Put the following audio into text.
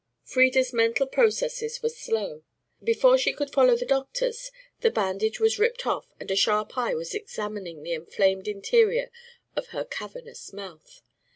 Frieda's mental processes were slow. Before she could follow the doctor's the bandage was ripped off and a sharp eye was examining the inflamed interior of her cavernous mouth.